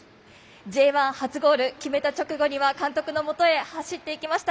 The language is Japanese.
Ｊ１初ゴール決めた直後には監督のもとへ走っていきました。